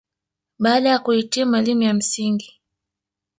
Baada ya kuhitimu elimu ya msingi